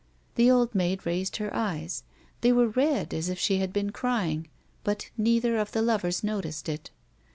The old maid raised her eyes ; they were red as if she had been crying, but neither of the lovers noticed it.